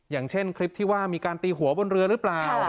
อย่างเช่นคลิปที่ว่ามีการตีหัวบนเรือหรือเปล่า